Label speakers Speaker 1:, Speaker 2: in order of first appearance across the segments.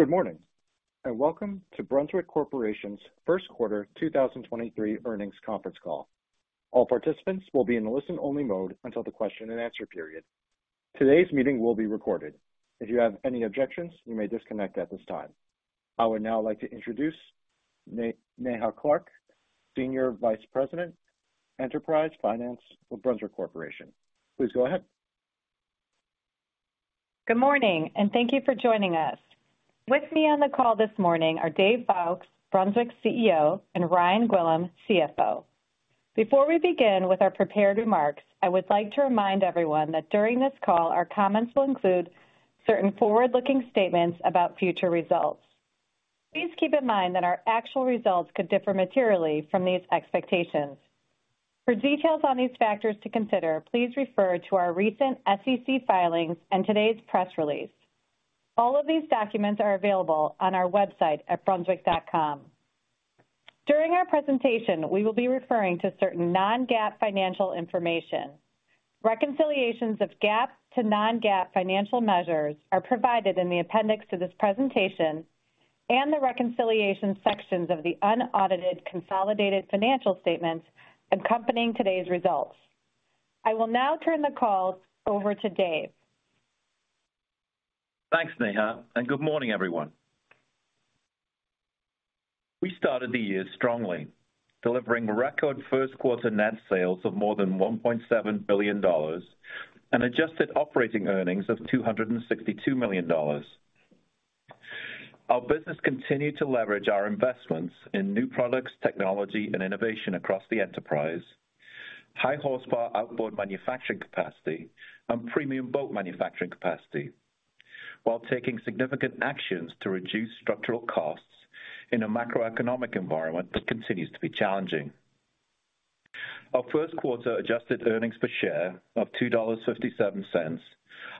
Speaker 1: Good morning, welcome to Brunswick Corporation's first quarter 2023 earnings conference call. All participants will be in listen only mode until the question and answer period. Today's meeting will be recorded. If you have any objections, you may disconnect at this time. I would now like to introduce Neha Clark, Senior Vice President, Enterprise Finance for Brunswick Corporation. Please go ahead.
Speaker 2: Good morning, thank you for joining us. With me on the call this morning are Dave Foulkes, Brunswick CEO, and Ryan Gwillim, CFO. Before we begin with our prepared remarks, I would like to remind everyone that during this call our comments will include certain forward-looking statements about future results. Please keep in mind that our actual results could differ materially from these expectations. For details on these factors to consider, please refer to our recent SEC filings and today's press release. All of these documents are available on our website at brunswick.com. During our presentation, we will be referring to certain non-GAAP financial information. Reconciliations of GAAP to non-GAAP financial measures are provided in the appendix to this presentation and the reconciliation sections of the unaudited consolidated financial statements accompanying today's results. I will now turn the call over to Dave.
Speaker 3: Thanks, Neha. Good morning, everyone. We started the year strongly, delivering record first quarter net sales of more than $1.7 billion and adjusted operating earnings of $262 million. Our business continued to leverage our investments in new products, technology and innovation across the enterprise. High horsepower outboard manufacturing capacity and premium boat manufacturing capacity, while taking significant actions to reduce structural costs in a macroeconomic environment that continues to be challenging. Our first quarter adjusted earnings per share of $2.57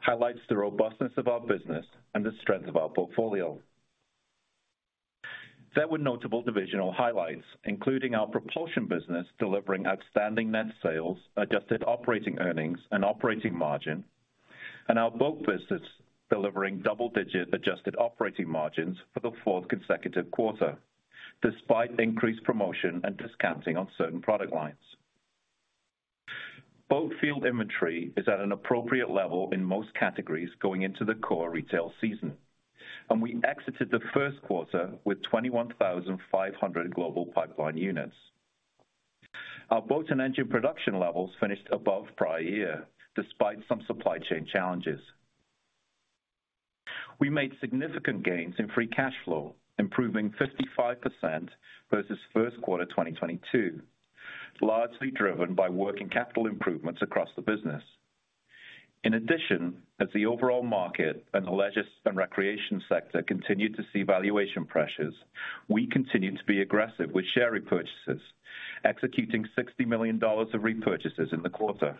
Speaker 3: highlights the robustness of our business and the strength of our portfolio. There were notable divisional highlights, including our propulsion business, delivering outstanding net sales, adjusted operating earnings and operating margin. Our boat business delivering double-digit adjusted operating margins for the fourth consecutive quarter, despite increased promotion and discounting on certain product lines. Boat field inventory is at an appropriate level in most categories going into the core retail season, and we exited the first quarter with 21,500 global pipeline units. Our boat and engine production levels finished above prior year despite some supply chain challenges. We made significant gains in free cash flow, improving 55% versus first quarter 2022, largely driven by working capital improvements across the business. In addition, as the overall market and the leisure and recreation sector continued to see valuation pressures, we continued to be aggressive with share repurchases, executing $60 million of repurchases in the quarter.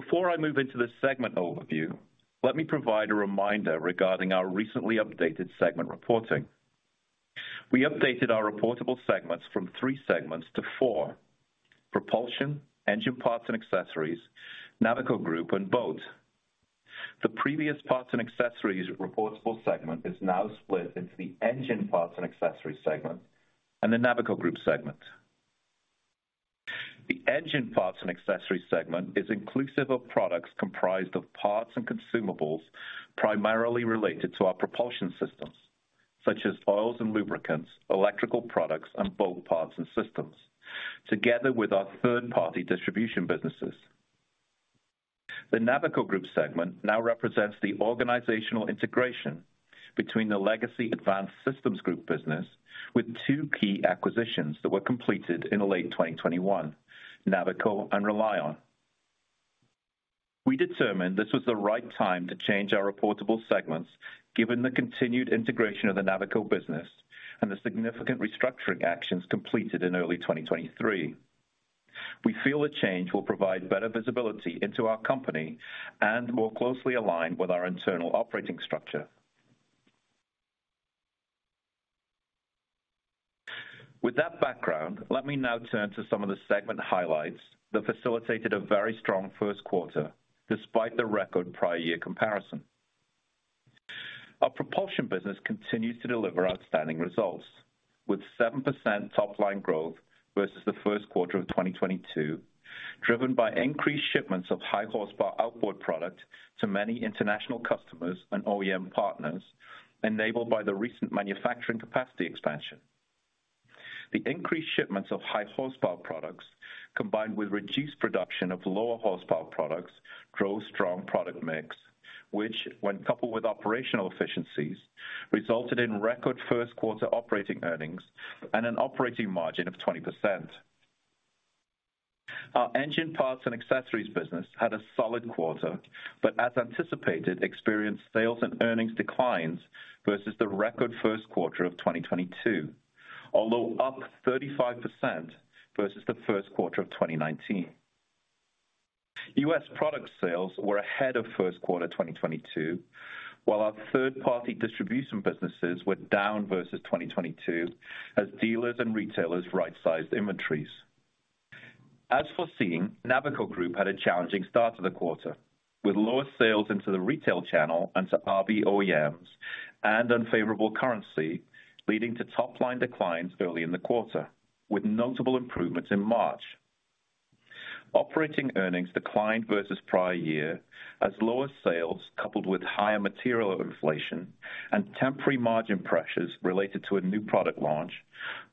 Speaker 3: Before I move into the segment overview, let me provide a reminder regarding our recently updated segment reporting. We updated our reportable segments from three segments to four. Propulsion, Engine Parts & Accessories, Navico Group and Boat. The previous parts and accessories reportable segment is now split into the Engine Parts & Accessories segment and the Navico Group segment. The Engine Parts & Accessories segment is inclusive of products comprised of parts and consumables primarily related to our propulsion systems, such as oils and lubricants, electrical products, and boat parts and systems, together with our third-party distribution businesses. The Navico Group segment now represents the organizational integration between the legacy Advanced Systems Group business with two key acquisitions that were completed in late 2021, Navico and RELiON. We determined this was the right time to change our reportable segments, given the continued integration of the Navico business and the significant restructuring actions completed in early 2023. We feel the change will provide better visibility into our company and more closely aligned with our internal operating structure. With that background, let me now turn to some of the segment highlights that facilitated a very strong first quarter despite the record prior year comparison. Our propulsion business continues to deliver outstanding results with 7% top line growth versus the first quarter of 2022, driven by increased shipments of high horsepower outboard product to many international customers and OEM partners, enabled by the recent manufacturing capacity expansion. The increased shipments of high horsepower products, combined with reduced production of lower horsepower products, drove strong product mix, which when coupled with operational efficiencies, resulted in record first quarter operating earnings and an operating margin of 20%. Our Engine Parts & Accessories business had a solid quarter, but as anticipated, experienced sales and earnings declines versus the record first quarter of 2022. Although up 35% versus the first quarter of 2019. U.S. product sales were ahead of first quarter 2022, while our third-party distribution businesses were down versus 2022 as dealers and retailers right-sized inventories. As foreseen, Navico Group had a challenging start to the quarter, with lower sales into the retail channel and to RV OEMs and unfavorable currency leading to top-line declines early in the quarter, with notable improvements in March. Operating earnings declined versus prior year as lower sales, coupled with higher material inflation and temporary margin pressures related to a new product launch,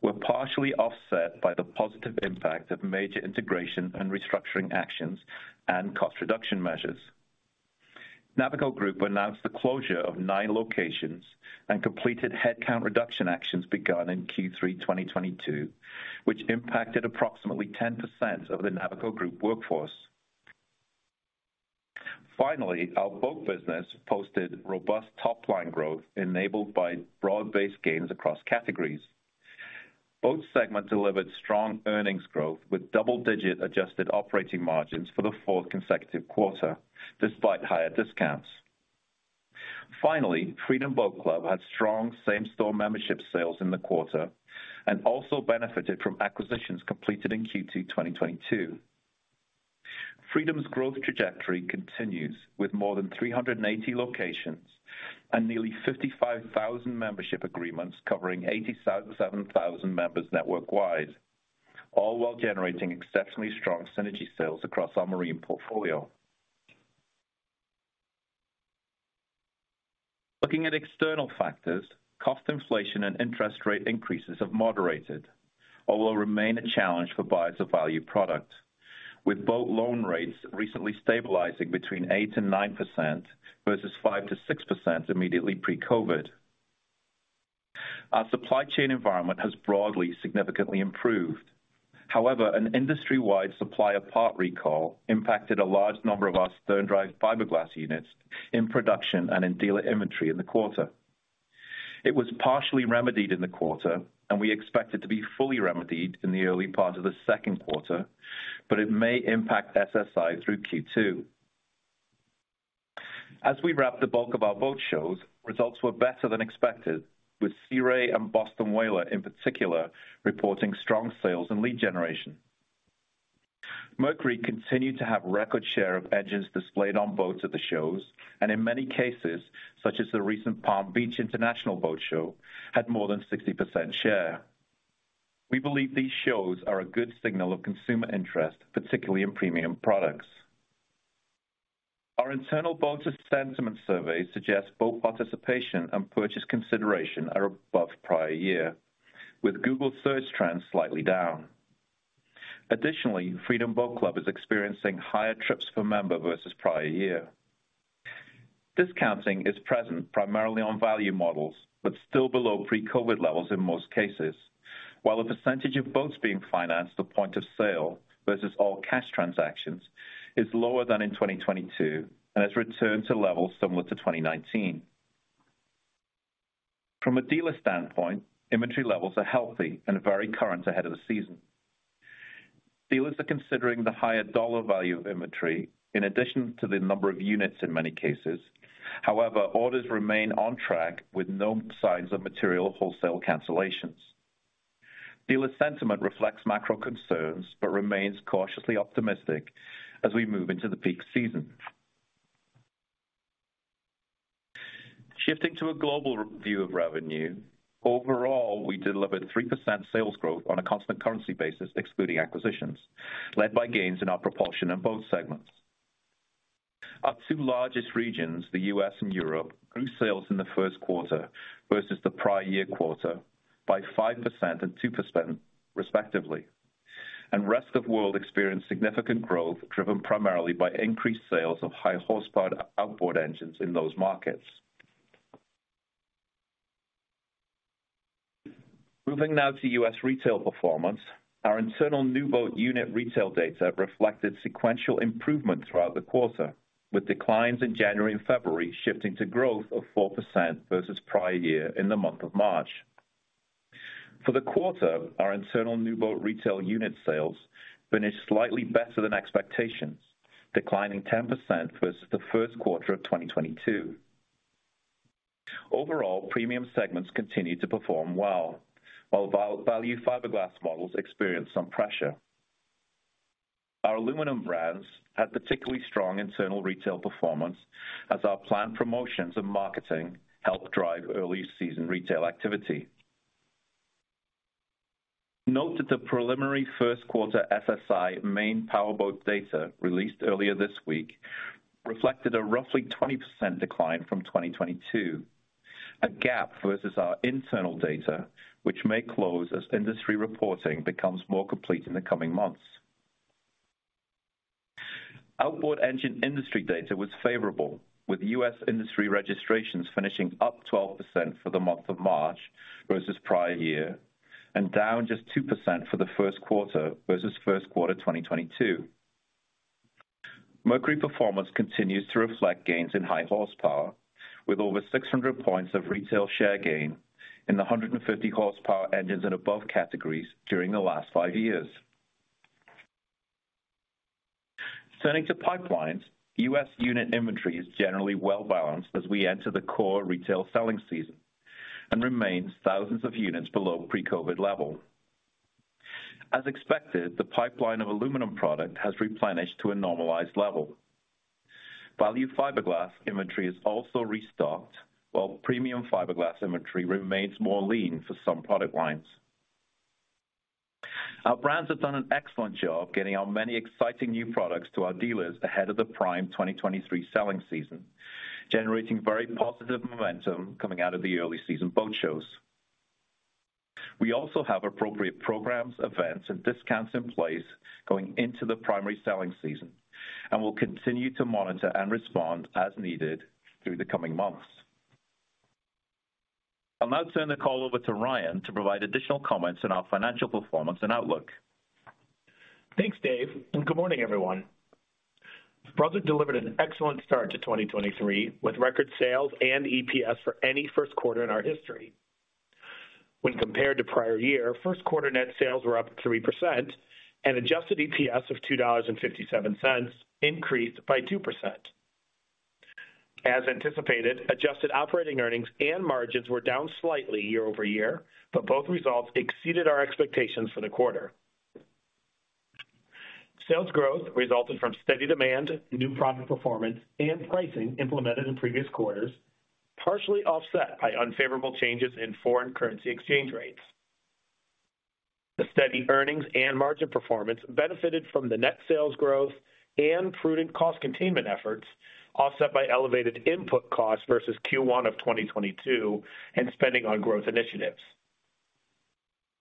Speaker 3: were partially offset by the positive impact of major integration and restructuring actions and cost reduction measures. Navico Group announced the closure of nine locations and completed headcount reduction actions begun in Q3 2022, which impacted approximately 10% of the Navico Group workforce. Our Boat business posted robust top line growth enabled by broad-based gains across categories. Boat segment delivered strong earnings growth with double-digit adjusted operating margins for the 4th consecutive quarter, despite higher discounts. Finally, Freedom Boat Club had strong same-store membership sales in the quarter and also benefited from acquisitions completed in Q2 2022. Freedom's growth trajectory continues with more than 380 locations and nearly 55,000 membership agreements covering 80,007 members network-wide, all while generating exceptionally strong synergy sales across our marine portfolio. Looking at external factors, cost inflation and interest rate increases have moderated or will remain a challenge for buyers of value product, with boat loan rates recently stabilizing between 8%-9% versus 5%-6% immediately pre-COVID. Our supply chain environment has broadly significantly improved. However, an industry-wide supplier part recall impacted a large number of our sterndrive fiberglass units in production and in dealer inventory in the quarter. It was partially remedied in the quarter, and we expect it to be fully remedied in the early part of the second quarter, but it may impact SSI through Q2. As we wrap the bulk of our boat shows, results were better than expected, with Sea Ray and Boston Whaler, in particular, reporting strong sales and lead generation. Mercury continued to have record share of engines displayed on boats at the shows, and in many cases, such as the recent Palm Beach International Boat Show, had more than 60% share. We believe these shows are a good signal of consumer interest, particularly in premium products. Our internal boat sentiment survey suggests boat participation and purchase consideration are above prior year, with Google search trends slightly down. Additionally, Freedom Boat Club is experiencing higher trips per member versus prior year. Discounting is present primarily on value models, but still below pre-COVID levels in most cases. A percentage of boats being financed at point of sale versus all cash transactions is lower than in 2022 and has returned to levels similar to 2019. From a dealer standpoint, inventory levels are healthy and very current ahead of the season. Dealers are considering the higher dollar value of inventory in addition to the number of units in many cases. Orders remain on track with no signs of material wholesale cancellations. Dealer sentiment reflects macro concerns, but remains cautiously optimistic as we move into the peak season. Shifting to a global view of revenue. Overall, we delivered 3% sales growth on a constant currency basis, excluding acquisitions, led by gains in our propulsion and boat segments. Our two largest regions, the U.S. and Europe, grew sales in the first quarter versus the prior year quarter by 5% and 2% respectively, and rest of world experienced significant growth, driven primarily by increased sales of high horsepower outboard engines in those markets. Moving now to U.S. retail performance. Our internal new boat unit retail data reflected sequential improvement throughout the quarter, with declines in January and February shifting to growth of 4% versus prior year in the month of March. For the quarter, our internal new boat retail unit sales finished slightly better than expectations, declining 10% versus the first quarter of 2022. Overall, premium segments continued to perform well, while value fiberglass models experienced some pressure. Our aluminum brands had particularly strong internal retail performance as our planned promotions and marketing helped drive early season retail activity. Note that the preliminary first quarter SSI main power boat data released earlier this week reflected a roughly 20% decline from 2022, a gap versus our internal data, which may close as industry reporting becomes more complete in the coming months. Outboard engine industry data was favorable, with U.S. industry registrations finishing up 12% for the month of March versus prior year and down just 2% for the first quarter versus first quarter 2022. Mercury performance continues to reflect gains in high horsepower with over 600 points of retail share gain in the 150 horsepower engines and above categories during the last five years. Turning to pipelines, U.S. unit inventory is generally well balanced as we enter the core retail selling season and remains thousands of units below pre-COVID level. As expected, the pipeline of aluminum product has replenished to a normalized level. Value fiberglass inventory is also restocked, while premium fiberglass inventory remains more lean for some product lines. Our brands have done an excellent job getting our many exciting new products to our dealers ahead of the prime 2023 selling season, generating very positive momentum coming out of the early season boat shows. We also have appropriate programs, events, and discounts in place going into the primary selling season and will continue to monitor and respond as needed through the coming months. I'll now turn the call over to Ryan to provide additional comments on our financial performance and outlook.
Speaker 4: Thanks, Dave, good morning, everyone. The project delivered an excellent start to 2023, with record sales and EPS for any first quarter in our history. When compared to prior year, first quarter net sales were up 3% and adjusted EPS of $2.57 increased by 2%. As anticipated, adjusted operating earnings and margins were down slightly year-over-year, but both results exceeded our expectations for the quarter. Sales growth resulted from steady demand, new product performance, and pricing implemented in previous quarters, partially offset by unfavorable changes in foreign currency exchange rates. The steady earnings and margin performance benefited from the net sales growth and prudent cost containment efforts, offset by elevated input costs versus Q1 of 2022 and spending on growth initiatives.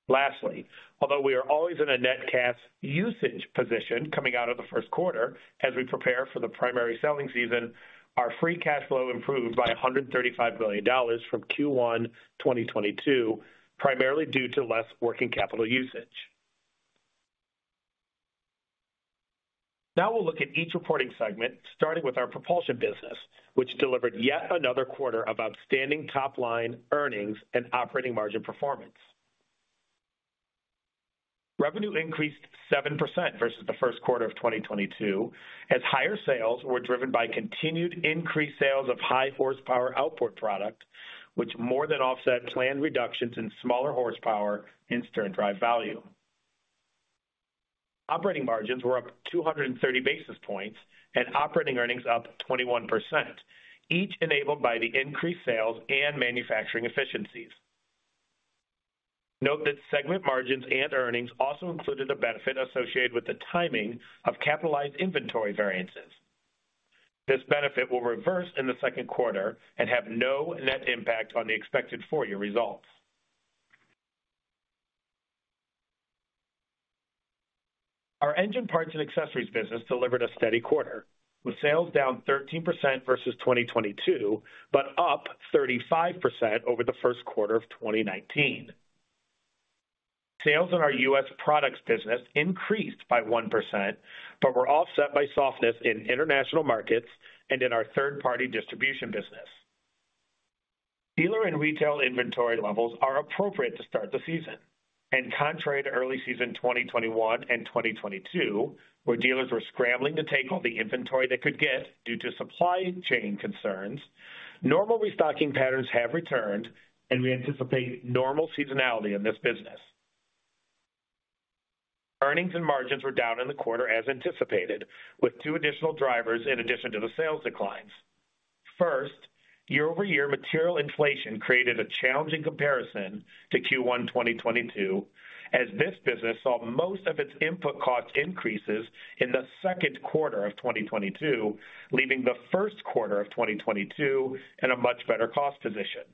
Speaker 4: Lastly, although we are always in a net cash usage position coming out of the first quarter as we prepare for the primary selling season, our free cash flow improved by $135 billion from Q1 2022, primarily due to less working capital usage. Now we'll look at each reporting segment, starting with our propulsion business, which delivered yet another quarter of outstanding top-line earnings and operating margin performance. Revenue increased 7% versus the first quarter of 2022, as higher sales were driven by continued increased sales of high horsepower outboard product, which more than offset planned reductions in smaller horsepower and sterndrive value. Operating margins were up 230 basis points and operating earnings up 21%, each enabled by the increased sales and manufacturing efficiencies. Note that segment margins and earnings also included a benefit associated with the timing of capitalized inventory variances. This benefit will reverse in the second quarter and have no net impact on the expected full-year results. Our Engine Parts & Accessories business delivered a steady quarter, with sales down 13% versus 2022, but up 35% over the first quarter of 2019. Sales in our U.S. products business increased by 1%, but were offset by softness in international markets and in our third-party distribution business. Contrary to early season 2021 and 2022, where dealers were scrambling to take all the inventory they could get due to supply chain concerns, normal restocking patterns have returned, and we anticipate normal seasonality in this business. Earnings and margins were down in the quarter as anticipated, with two additional drivers in addition to the sales declines. First, year-over-year material inflation created a challenging comparison to Q1 2022 as this business saw most of its input cost increases in Q2 2022, leaving Q1 2022 in a much better cost position.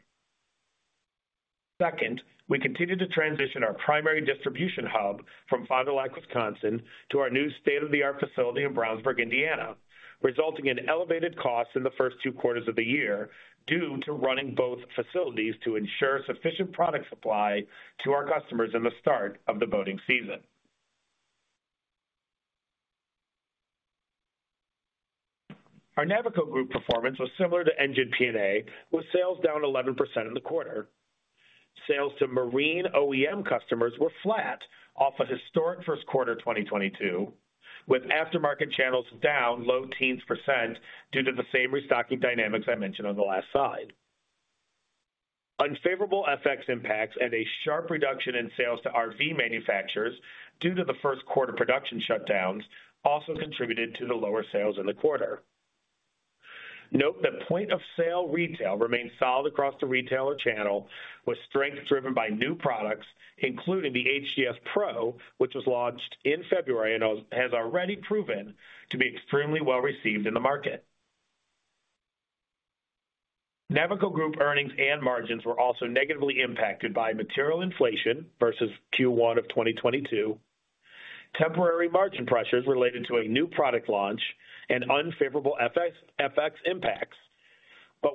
Speaker 4: Second, we continued to transition our primary distribution hub from Fond du Lac, Wisconsin, to our new state-of-the-art facility in Brownsburg, Indiana, resulting in elevated costs in the first two quarters of the year due to running both facilities to ensure sufficient product supply to our customers in the start of the boating season. Our Navico Group performance was similar to Engine P&A, with sales down 11% in the quarter. Sales to marine OEM customers were flat off a historic first quarter 2022, with aftermarket channels down low teens percent due to the same restocking dynamics I mentioned on the last slide. Unfavorable FX impacts and a sharp reduction in sales to RV manufacturers due to the first quarter production shutdowns also contributed to the lower sales in the quarter. Note that point of sale retail remained solid across the retailer channel, with strength driven by new products, including the HDS PRO, which was launched in February and has already proven to be extremely well-received in the market. Navico Group earnings and margins were also negatively impacted by material inflation versus Q1 of 2022. Temporary margin pressures related to a new product launch and unfavorable FX impacts,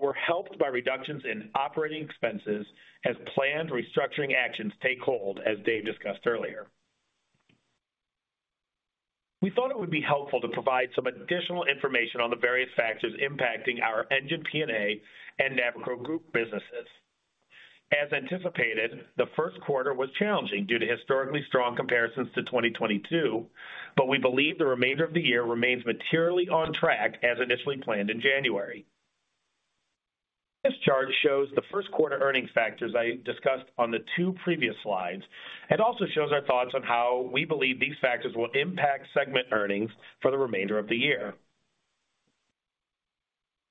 Speaker 4: were helped by reductions in operating expenses as planned restructuring actions take hold, as Dave discussed earlier. We thought it would be helpful to provide some additional information on the various factors impacting our Engine P&A and Navico Group businesses. As anticipated, the first quarter was challenging due to historically strong comparisons to 2022. We believe the remainder of the year remains materially on track as initially planned in January. This chart shows the first quarter earnings factors I discussed on the two previous slides, and also shows our thoughts on how we believe these factors will impact segment earnings for the remainder of the year.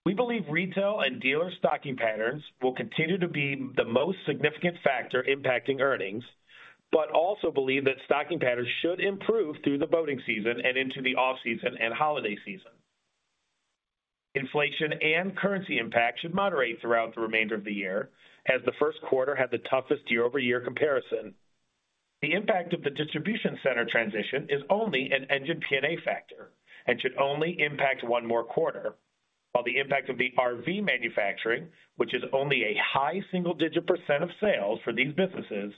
Speaker 4: We believe retail and dealer stocking patterns will continue to be the most significant factor impacting earnings, but also believe that stocking patterns should improve through the boating season and into the off-season and holiday season. Inflation and currency impact should moderate throughout the remainder of the year as the first quarter had the toughest year-over-year comparison. The impact of the distribution center transition is only an Engine P&A factor and should only impact one more quarter. The impact of the RV manufacturing, which is only a high single-digit percent of sales for these businesses,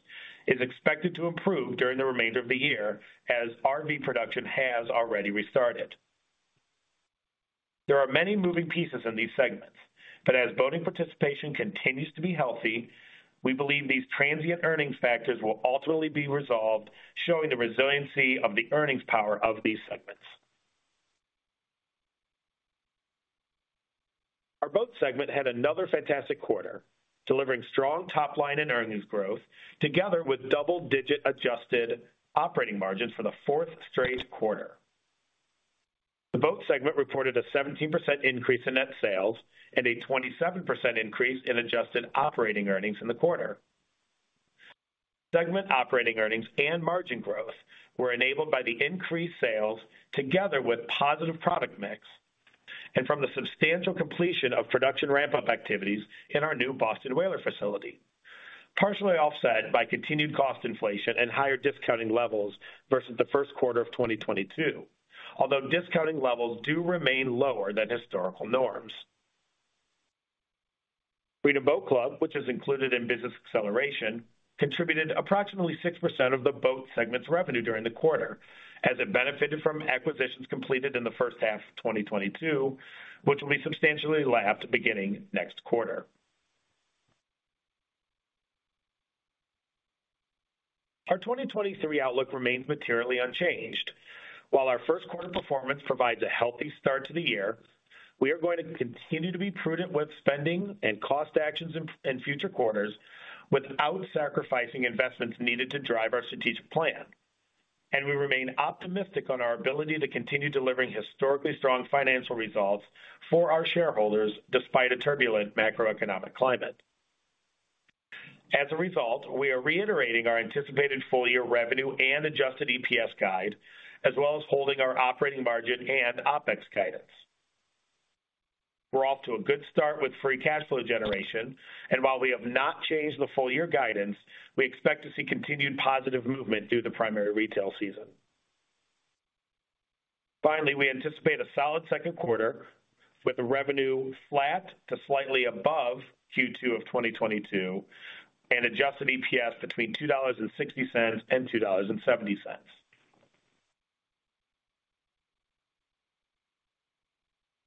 Speaker 4: is expected to improve during the remainder of the year as RV production has already restarted. There are many moving pieces in these segments, as voting participation continues to be healthy, we believe these transient earnings factors will ultimately be resolved, showing the resiliency of the earnings power of these segments. Our Boat segment had another fantastic quarter, delivering strong top-line and earnings growth, together with double-digit adjusted operating margins for the fourth straight quarter. The Boat segment reported a 17% increase in net sales and a 27% increase in adjusted operating earnings in the quarter. Segment operating earnings and margin growth were enabled by the increased sales together with positive product mix and from the substantial completion of production ramp-up activities in our new Boston Whaler facility, partially offset by continued cost inflation and higher discounting levels versus the first quarter of 2022. Although discounting levels do remain lower than historical norms. Freedom Boat Club, which is included in Business Acceleration, contributed approximately 6% of the Boat segment's revenue during the quarter as it benefited from acquisitions completed in the first half of 2022, which will be substantially lapped beginning next quarter. Our 2023 outlook remains materially unchanged. While our first quarter performance provides a healthy start to the year, we are going to continue to be prudent with spending and cost actions in future quarters without sacrificing investments needed to drive our strategic plan. We remain optimistic on our ability to continue delivering historically strong financial results for our shareholders despite a turbulent macroeconomic climate. As a result, we are reiterating our anticipated full-year revenue and adjusted EPS guide, as well as holding our operating margin and OpEx guidance. We're off to a good start with free cash flow generation, and while we have not changed the full-year guidance, we expect to see continued positive movement through the primary retail season. Finally, we anticipate a solid second quarter with revenue flat to slightly above Q2 of 2022 and adjusted EPS between $2.60 and $2.70.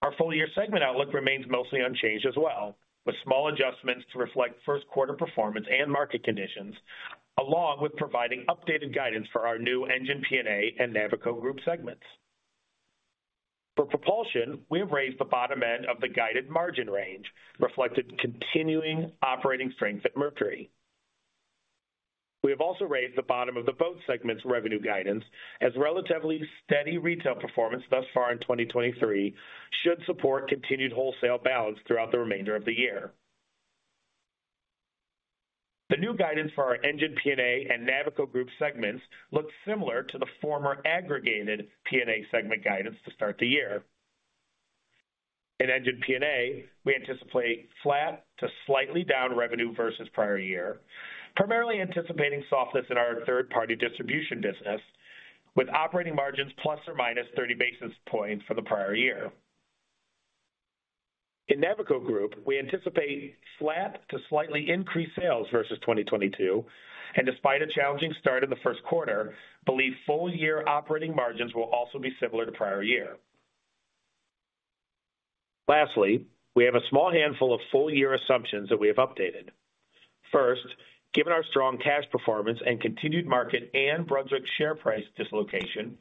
Speaker 4: Our full-year segment outlook remains mostly unchanged as well, with small adjustments to reflect first quarter performance and market conditions, along with providing updated guidance for our new Engine P&A and Navico Group segments. For Propulsion, we have raised the bottom end of the guided margin range, reflected continuing operating strength at Mercury. We have also raised the bottom of the Boat segment's revenue guidance as relatively steady retail performance thus far in 2023 should support continued wholesale balance throughout the remainder of the year. The new guidance for our Engine P&A and Navico Group segments look similar to the former aggregated P&A segment guidance to start the year. In Engine P&A, we anticipate flat to slightly down revenue versus prior year, primarily anticipating softness in our third-party distribution business, with operating margins ±30 basis points for the prior year. In Navico Group, we anticipate flat to slightly increased sales versus 2022, and despite a challenging start in the first quarter, believe full-year operating margins will also be similar to prior year. Lastly, we have a small handful of full-year assumptions that we have updated. First, given our strong cash performance and continued market and Brunswick share price dislocation,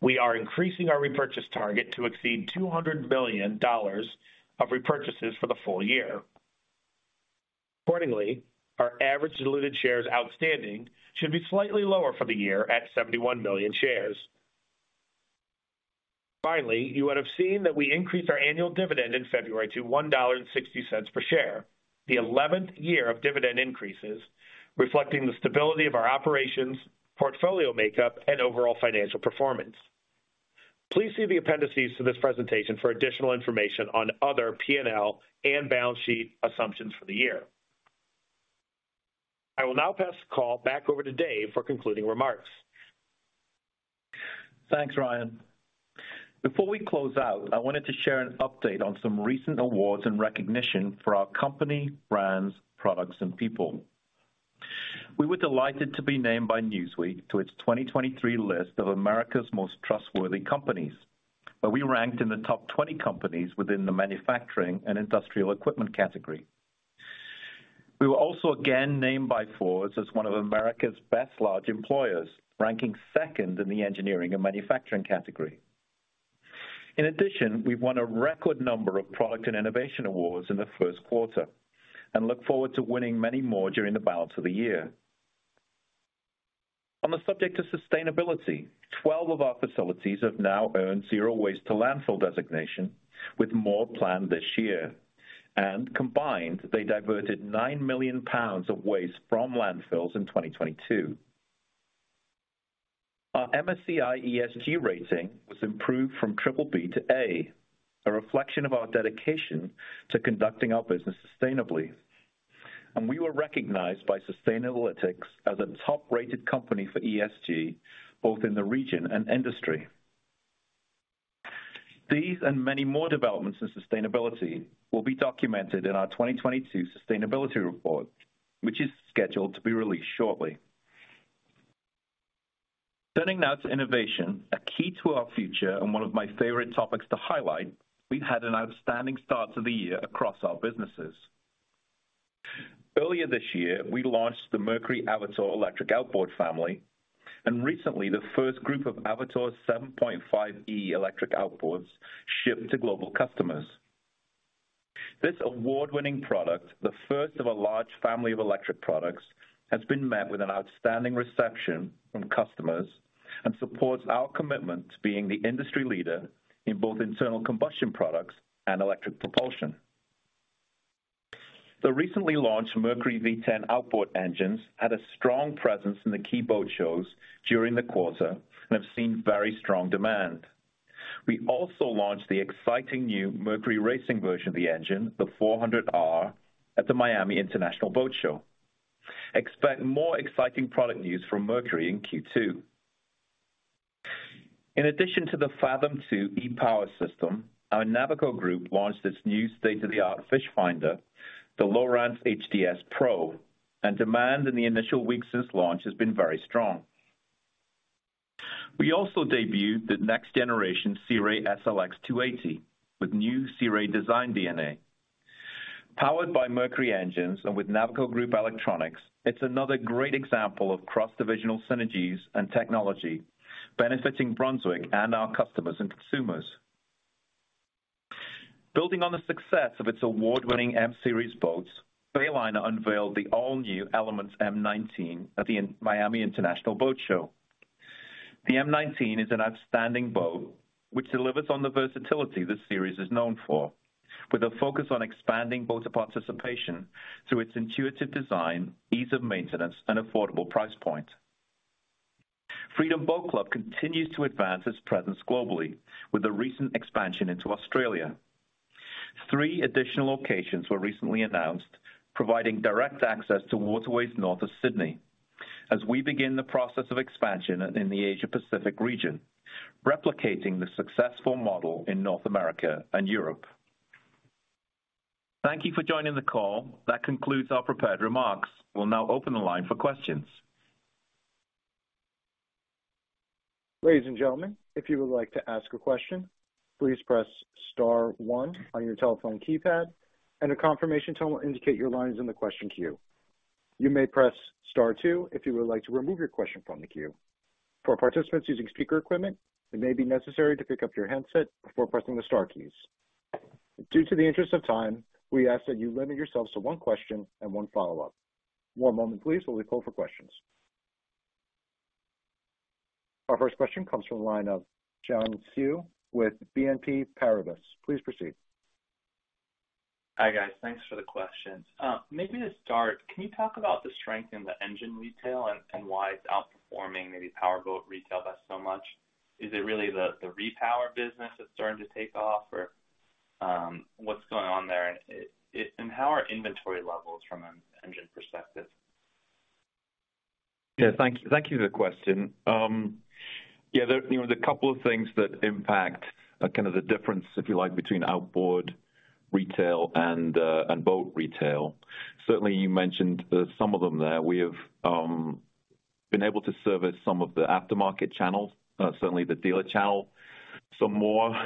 Speaker 4: we are increasing our repurchase target to exceed $200 million of repurchases for the full-year. Accordingly, our average diluted shares outstanding should be slightly lower for the year at 71 million shares. Finally, you would have seen that we increased our annual dividend in February to $1.60 per share, the 11th year of dividend increases, reflecting the stability of our operations, portfolio makeup, and overall financial performance. Please see the appendices to this presentation for additional information on other P&L and balance sheet assumptions for the year. I will now pass the call back over to Dave for concluding remarks.
Speaker 3: Thanks, Ryan. Before we close out, I wanted to share an update on some recent awards and recognition for our company, brands, products, and people. We were delighted to be named by Newsweek to its 2023 list of America's most trustworthy companies, where we ranked in the top 20 companies within the manufacturing and industrial equipment category. We were also again named by Forbes as one of America's best large employers, ranking second in the engineering and manufacturing category. In addition, we've won a record number of product and innovation awards in the first quarter and look forward to winning many more during the balance of the year. On the subject of sustainability, 12 of our facilities have now earned zero waste to landfill designation with more planned this year. Combined, they diverted 9 million lbs of waste from landfills in 2022. Our MSCI ESG rating was improved from BBB to A, a reflection of our dedication to conducting our business sustainably. We were recognized by Sustainalytics as a top-rated company for ESG, both in the region and industry. These and many more developments in sustainability will be documented in our 2022 sustainability report, which is scheduled to be released shortly. Turning now to innovation, a key to our future and one of my favorite topics to highlight. We've had an outstanding start to the year across our businesses. Earlier this year, we launched the Mercury Avator electric outboard family and recently the first group of Avator 7.5e electric outboards shipped to global customers. This award-winning product, the first of a large family of electric products, has been met with an outstanding reception from customers and supports our commitment to being the industry leader in both internal combustion products and electric propulsion. The recently launched Mercury V10 outboard engines had a strong presence in the key boat shows during the quarter and have seen very strong demand. We also launched the exciting new Mercury Racing version of the engine, the 400R, at the Miami International Boat Show. Expect more exciting product news from Mercury in Q2. In addition to the Fathom e-Power System, our Navico Group launched its new state-of-the-art fish finder, the Lowrance HDS PRO, and demand in the initial weeks since launch has been very strong. We also debuted the next generation Sea Ray SLX 280 with new Sea Ray design DNA. Powered by Mercury engines and with Navico Group electronics, it's another great example of cross-divisional synergies and technology benefiting Brunswick and our customers and consumers. Building on the success of its award-winning M Series boats, Bayliner unveiled the all-new Element M19 at the Miami International Boat Show. The M19 is an outstanding boat which delivers on the versatility the series is known for, with a focus on expanding boater participation through its intuitive design, ease of maintenance, and affordable price point. Freedom Boat Club continues to advance its presence globally with the recent expansion into Australia. Three additional locations were recently announced, providing direct access to waterways north of Sydney as we begin the process of expansion in the Asia-Pacific region, replicating the successful model in North America and Europe. Thank you for joining the call. That concludes our prepared remarks. We will now open the line for questions.
Speaker 1: Ladies and gentlemen, if you would like to ask a question, please press star one on your telephone keypad and a confirmation tone will indicate your line is in the question queue. You may press star two if you would like to remove your question from the queue. For participants using speaker equipment, it may be necessary to pick up your handset before pressing the star keys. Due to the interest of time, we ask that you limit yourselves to one question and one follow-up. One moment please while we call for questions. Our first question comes from the line of Xian Siew with BNP Paribas. Please proceed.
Speaker 5: Hi, guys. Thanks for the questions. Maybe to start, can you talk about the strength in the engine retail and why it's outperforming maybe powerboat retail by so much? Is it really the repower business that's starting to take off or what's going on there? How are inventory levels from an engine perspective?
Speaker 3: Yeah, thank you, thank you for the question. Yeah, there, you know, there's a couple of things that impact kind of the difference, if you like, between outboard retail and boat retail. Certainly, you mentioned some of them there. We have been able to service some of the aftermarket channels, certainly the dealer channel some more.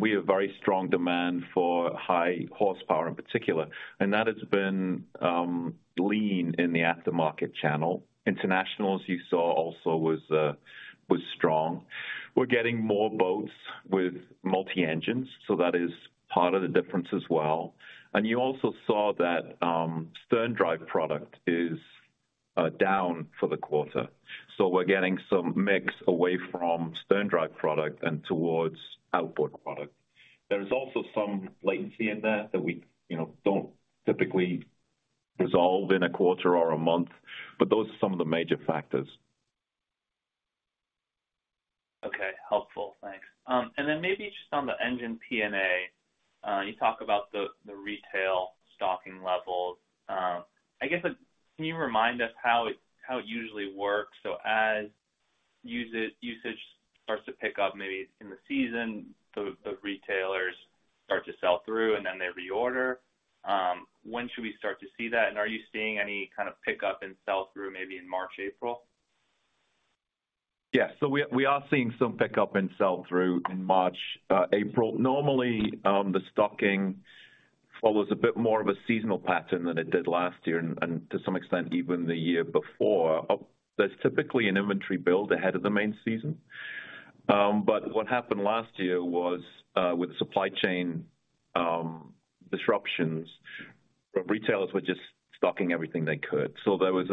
Speaker 3: We have very strong demand for high horsepower in particular, and that has been lean in the aftermarket channel. International, as you saw also was strong. We're getting more boats with multi-engines, so that is part of the difference as well. You also saw that sterndrive product is down for the quarter. We're getting some mix away from sterndrive product and towards outboard product. There is also some latency in there that we, you know, don't typically resolve in a quarter or a month, but those are some of the major factors.
Speaker 5: Okay. Helpful. Thanks. Maybe just on the Engine P&A. You talk about the retail stocking levels. I guess can you remind us how it usually works, so as usage starts to pick up maybe in the season. The retailers start to sell through and then they reorder. When should we start to see that? Are you seeing any kind of pickup in sell-through maybe in March, April?
Speaker 3: We are seeing some pickup in sell-through in March, April. Normally, the stocking follows a bit more of a seasonal pattern than it did last year and to some extent even the year before. There's typically an inventory build ahead of the main season. What happened last year was with supply chain disruptions, retailers were just stocking everything they could. There was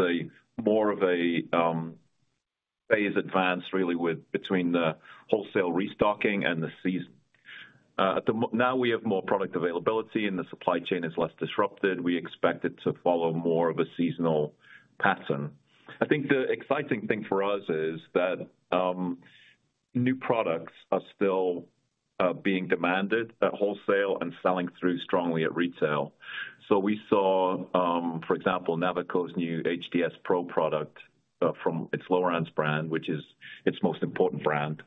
Speaker 3: more of a phase advance really with between the wholesale restocking and the season. Now we have more product availability and the supply chain is less disrupted. We expect it to follow more of a seasonal pattern. I think the exciting thing for us is that new products are still being demanded at wholesale and selling through strongly at retail. We saw, for example, Navico's new HDS PRO product from its Lowrance brand, which is its most important brand,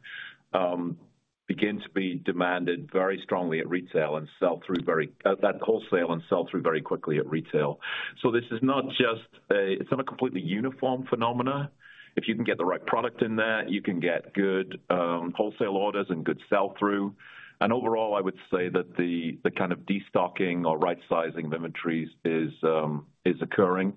Speaker 3: begin to be demanded very strongly at retail and sell through at wholesale and sell through very quickly at retail. It's not a completely uniform phenomena. If you can get the right product in there, you can get good wholesale orders and good sell-through. Overall, I would say that the kind of destocking or rightsizing inventories is occurring.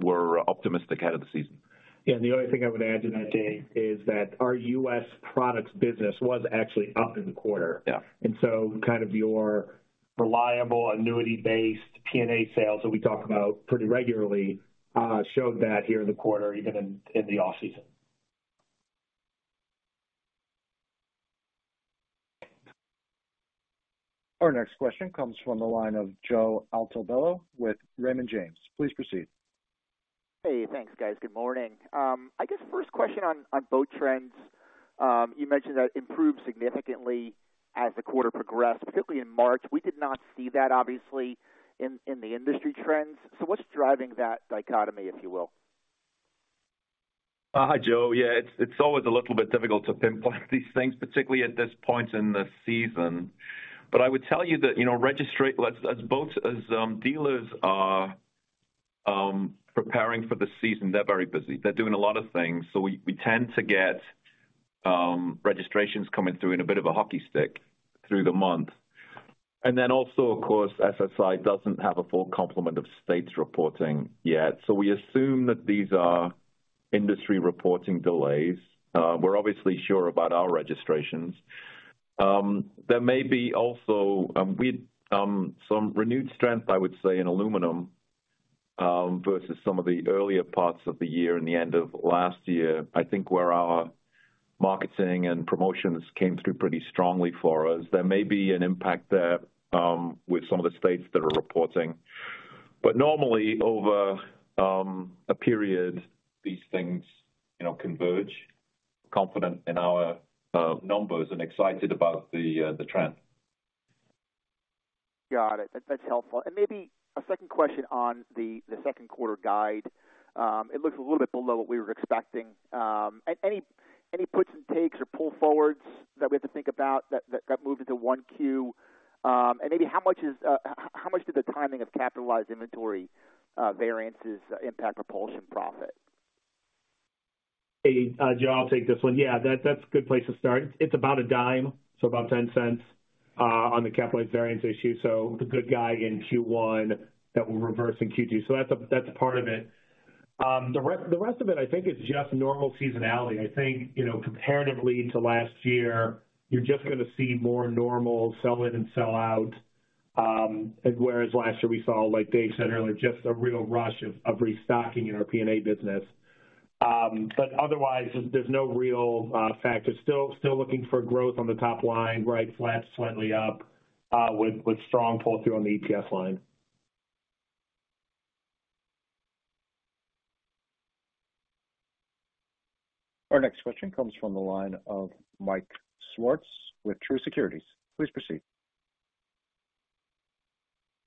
Speaker 3: We're optimistic ahead of the season.
Speaker 4: Yeah. The only thing I would add to that, Dave, is that our U.S. products business was actually up in the quarter.
Speaker 3: Yeah.
Speaker 4: Kind of your reliable annuity-based P&A sales that we talk about pretty regularly, showed that here in the quarter, even in the off-season.
Speaker 1: Our next question comes from the line of Joe Altobello with Raymond James. Please proceed.
Speaker 6: Hey, thanks, guys. Good morning. I guess first question on boat trends. You mentioned that improved significantly as the quarter progressed, particularly in March. We did not see that, obviously, in the industry trends. What's driving that dichotomy, if you will?
Speaker 3: Hi, Joe. Yeah, it's always a little bit difficult to pinpoint these things, particularly at this point in the season. I would tell you that, you know, as dealers are preparing for the season, they're very busy. They're doing a lot of things. We tend to get registrations coming through in a bit of a hockey stick through the month. Also, of course, SSI doesn't have a full complement of states reporting yet. We assume that these are industry reporting delays. We're obviously sure about our registrations. There may be also some renewed strength, I would say, in aluminum versus some of the earlier parts of the year and the end of last year, I think where our marketing and promotions came through pretty strongly for us. There may be an impact there, with some of the states that are reporting. Normally over, a period, these things, you know, converge. Confident in our numbers and excited about the trend.
Speaker 6: Got it. That's helpful. Maybe a second question on the 2Q guide. It looks a little bit below what we were expecting. Any puts and takes or pull forwards that we have to think about that moved into 1Q? Maybe how much did the timing of capitalized inventory variances impact propulsion profit?
Speaker 4: Hey, Joe, I'll take this one. Yeah, that's a good place to start. It's about $0.10, so about $0.10 on the capitalized variance issue. It's a good guy in Q1 that will reverse in Q2. That's a part of it. The rest of it I think is just normal seasonality. I think, you know, comparatively to last year, you're just gonna see more normal sell in and sell out. Whereas last year we saw, like Dave said earlier, just a real rush of restocking in our P&A business. Otherwise, there's no real factor. Still looking for growth on the top line, right, flat to slightly up with strong pull-through on the EPS line.
Speaker 1: Our next question comes from the line of Mike Swartz with Truist Securities. Please proceed.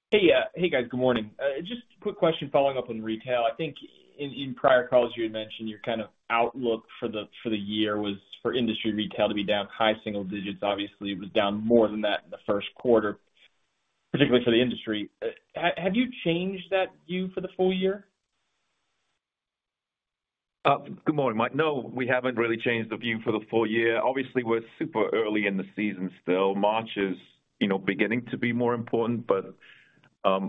Speaker 7: Hey. Hey, guys. Good morning. Just a quick question following up on retail. I think in prior calls, you had mentioned your kind of outlook for the year was for industry retail to be down high single digits. Obviously, it was down more than that in the first quarter, particularly for the industry. Have you changed that view for the full-year?
Speaker 3: Good morning, Mike. No, we haven't really changed the view for the full-year. Obviously, we're super early in the season still. March is, you know, beginning to be more important, but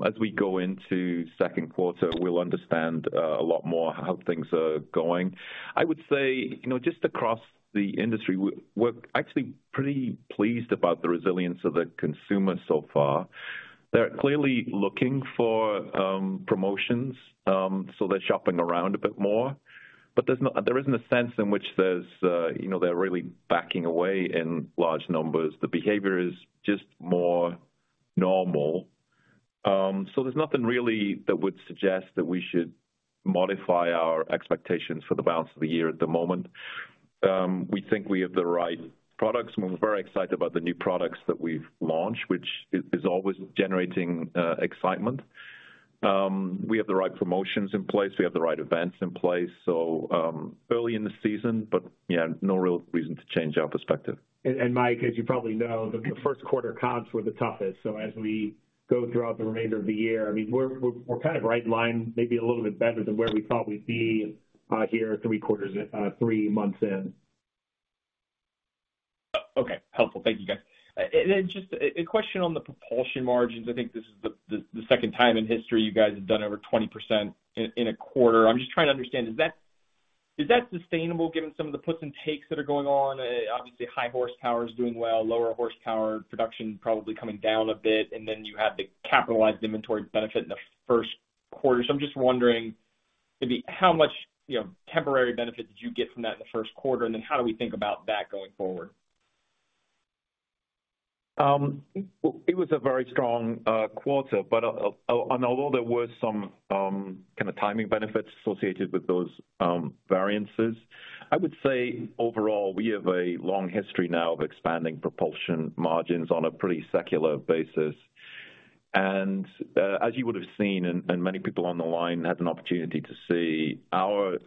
Speaker 3: as we go into second quarter, we'll understand a lot more how things are going. I would say, you know, just across the industry, we're actually pretty pleased about the resilience of the consumer so far. They're clearly looking for promotions, so they're shopping around a bit more. There isn't a sense in which there's, you know, they're really backing away in large numbers. The behavior is just more normal. There's nothing really that would suggest that we should modify our expectations for the balance of the year at the moment. We think we have the right products, and we're very excited about the new products that we've launched, which is always generating excitement. We have the right promotions in place, we have the right events in place. Early in the season, but yeah, no real reason to change our perspective.
Speaker 4: Mike, as you probably know, the first quarter comps were the toughest. As we go throughout the remainder of the year, I mean, we're kind of right in line, maybe a little bit better than where we thought we'd be, here three quarters, three months in.
Speaker 7: Okay, helpful. Thank you, guys. Just a question on the propulsion margins. I think this is the second time in history you guys have done over 20% in a quarter. I'm just trying to understand, is that sustainable given some of the puts and takes that are going on? Obviously, high horsepower is doing well, lower horsepower production probably coming down a bit, and then you have the capitalized inventory benefit in the first quarter. I'm just wondering maybe how much, you know, temporary benefit did you get from that in the first quarter, and then how do we think about that going forward?
Speaker 3: It was a very strong quarter, but although there were some kinda timing benefits associated with those variances, I would say overall, we have a long history now of expanding propulsion margins on a pretty secular basis. As you would have seen and many people on the line had an opportunity to see, our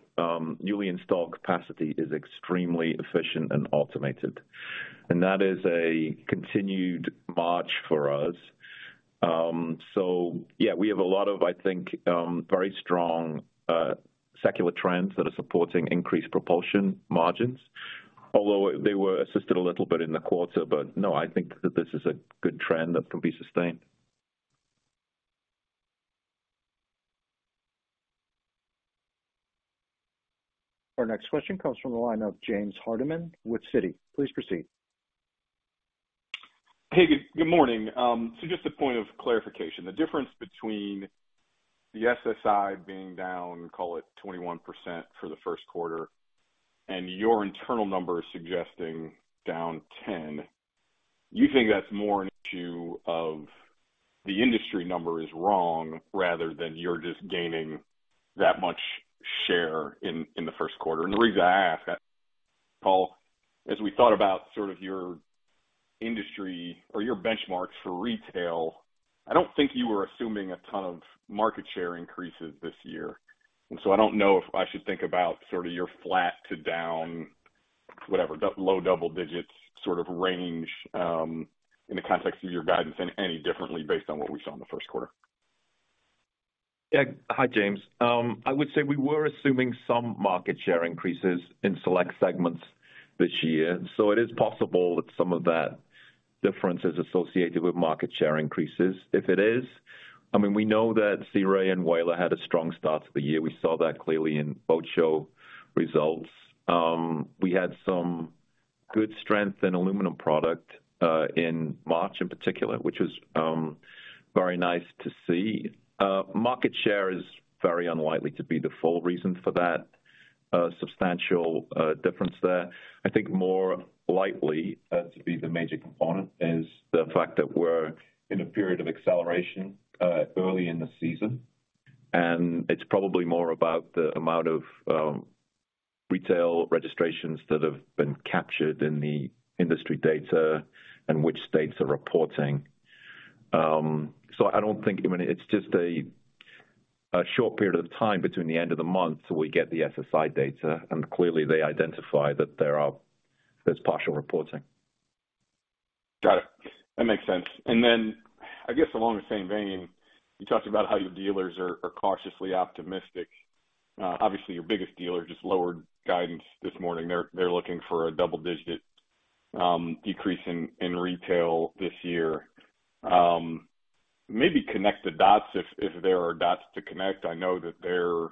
Speaker 3: newly installed capacity is extremely efficient and automated. That is a continued march for us. Yeah, we have a lot of, I think, very strong secular trends that are supporting increased propulsion margins, although they were assisted a little bit in the quarter. No, I think that this is a good trend that can be sustained.
Speaker 1: Our next question comes from the line of James Hardiman with Citi. Please proceed.
Speaker 8: Good, good morning. Just a point of clarification. The difference between the SSI being down, call it 21% for the first quarter, and your internal numbers suggesting down 10, you think that's more an issue of the industry number is wrong rather than you're just gaining that much share in the first quarter? The reason I ask, Paul, as we thought about sort of your industry or your benchmarks for retail, I don't think you were assuming a ton of market share increases this year. I don't know if I should think about sort of your flat to down, whatever, low double digits sort of range, in the context of your guidance in any differently based on what we saw in the first quarter.
Speaker 3: Hi, James. I would say we were assuming some market share increases in select segments this year. It is possible that some of that difference is associated with market share increases. If it is, I mean, we know that Sea Ray and Heyday had a strong start to the year. We saw that clearly in boat show results. We had some good strength in aluminum product in March in particular, which was very nice to see. Market share is very unlikely to be the full reason for that substantial difference there. I think more likely to be the major component is the fact that we're in a period of acceleration early in the season, and it's probably more about the amount of retail registrations that have been captured in the industry data and which states are reporting. I don't think, I mean, it's just a short period of time between the end of the month till we get the SSI data, and clearly they identify that there's partial reporting.
Speaker 8: Got it. That makes sense. I guess along the same vein, you talked about how your dealers are cautiously optimistic. Obviously, your biggest dealer just lowered guidance this morning. They're looking for a double-digit decrease in retail this year. Maybe connect the dots if there are dots to connect. I know that their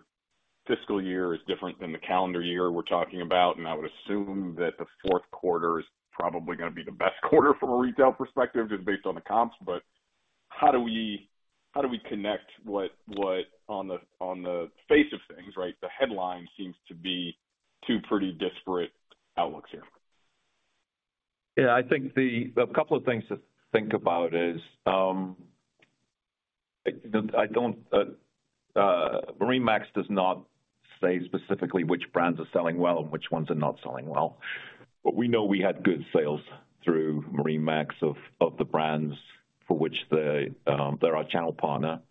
Speaker 8: fiscal year is different than the calendar year we're talking about, and I would assume that the fourth quarter is probably gonna be the best quarter from a retail perspective, just based on the comps. How do we connect what on the face of things, right, the headline seems to be two pretty disparate outlooks here?
Speaker 3: Yeah, I think a couple of things to think about is, I don't, MarineMax does not say specifically which brands are selling well and which ones are not selling well. We know we had good sales through MarineMax of the brands for which they're our channel partner.